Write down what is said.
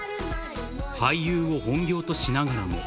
俳優を本業としながらも。